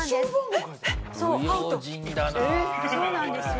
そうなんですよ。